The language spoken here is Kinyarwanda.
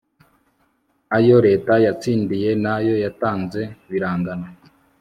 ayo leta yatsindiye n'ayo yatanze birangana